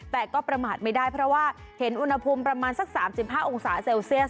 แต่ก็ประมาทไม่ได้เพราะว่าเห็นอุณหภูมิประมาณสัก๓๕องศาเซลเซียส